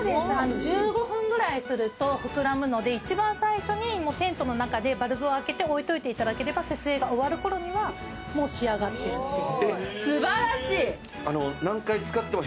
１５分ぐらいすると膨らむので、一番最初にテントの中でバルブを開けて置いておいていただければ設営が終わるころにはもう仕上がってるという。